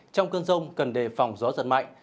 trong cơn rông cần đề phòng gió giật mạnh